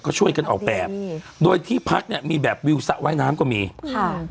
ก็ช่วยกันออกแบบอืมโดยที่พักเนี้ยมีแบบวิวสระว่ายน้ำก็มีค่ะ